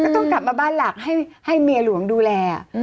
ต้องกลับมาบ้านหลักให้เมียหลวงดูแล